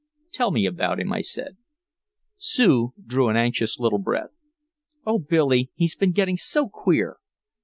"Tell me about him," I said. Sue drew an anxious little breath: "Oh Billy, he has been getting so queer.